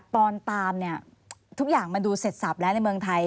ตอนตามเนี่ยทุกอย่างมันดูเสร็จสับแล้วในเมืองไทย